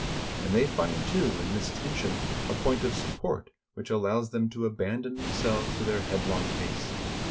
And they find, too, in this tension, a point of support which allows them to abandon them selves to their headlong pace.